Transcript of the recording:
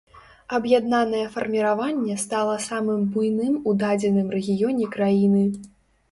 Аб'яднанае фарміраванне стала самым буйным у дадзеным рэгіёне краіны.